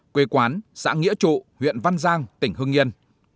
quê quán xã nghĩa trụ huyện văn giang tỉnh hưng yên